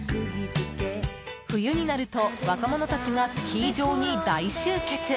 冬になると若者たちがスキー場に大集結。